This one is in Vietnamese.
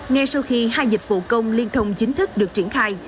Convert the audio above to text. ngay sau khi hai dịch vụ công liên thông chính thức được triển khai